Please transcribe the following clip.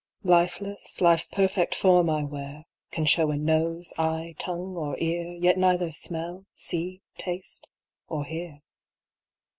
Lifeless, life's perfect form I wear, Can show a nose, eye, tongue, or ear, Yet neither smell, see, taste, or hear.